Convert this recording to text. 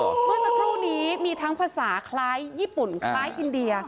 เมื่อสักครู่นี้มีทั้งภาษาคล้ายญี่ปุ่นคล้ายอินเดีย